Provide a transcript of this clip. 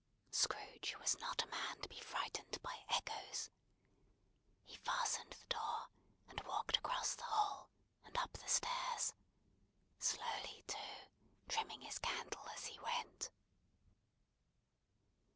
Scrooge was not a man to be frightened by echoes. He fastened the door, and walked across the hall, and up the stairs; slowly too: trimming his candle as he went.